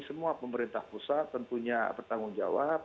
semua pemerintah pusat tentunya bertanggung jawab